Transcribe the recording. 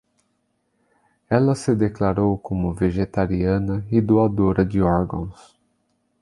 Ela se declarou como vegetariana e doadora de órgãos